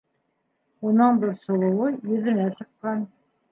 Уның борсолоуы йөҙөнә сыҡҡан.